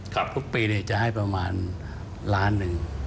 กลับทุกปีเนี่ยจะให้ประมาณล้านนึง